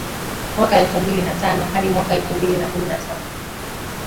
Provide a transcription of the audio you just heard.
mwaka elfu mbili na tano hadi mwaka elfu mbili na kumi na tano